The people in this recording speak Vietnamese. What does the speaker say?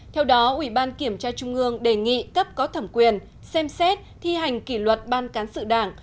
theo đó ủy ban kiểm tra trung ương đề nghị cấp có thẩm quyền xem xét thi hành kỷ luật ban cán sự đảng